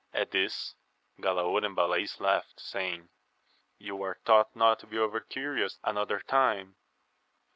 At this Galaor and Balays laughed, saying, you are taxL^t \:^^^ to he over curious another time.